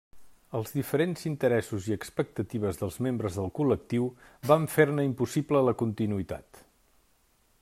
Els diferents interessos i expectatives dels membres del col·lectiu van fer-ne impossible la continuïtat.